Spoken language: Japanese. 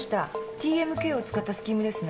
ＴＭＫを使ったスキームですね。